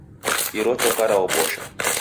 Iro choka raobosha.